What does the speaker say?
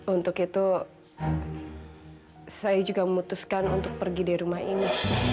untuk itu saya juga memutuskan untuk pergi di rumah ini